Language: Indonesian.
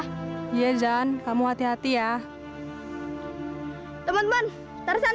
pak tolong bukain